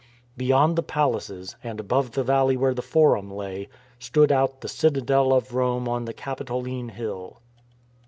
Beyond the palaces, and above the valley where the Forum lay, stood out the Citadel of Rome on the Capitoline Hill.